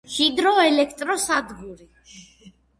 ჰიდრო ელექტრო სადგური